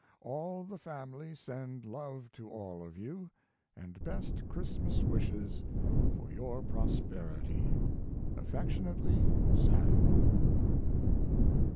All the family send love to all of you, & best Christmas wishes for your prosperity. Affectionately, SAM.